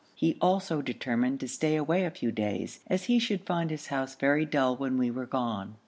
He also determined to stay away a few days, as he should find his house very dull when we were gone.